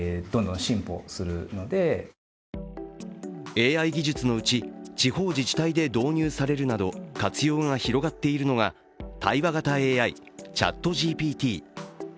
ＡＩ技術のうち、地方自治体で導入されるなど活用が広がっているのが対話型ＡＩ、ＣｈａｔＧＰＴ。